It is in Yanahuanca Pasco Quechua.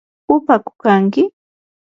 ¿upaku kanki?